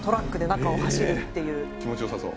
気持ちよさそう。